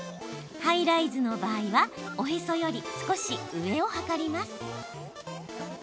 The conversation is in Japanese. ハイライズの場合はおへそより少し上を測ります。